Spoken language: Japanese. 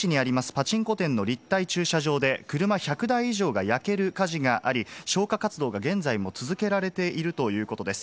パチンコ店の立体駐車場で、車１００台以上が焼ける火事があり、消火活動が現在も続けられているということです。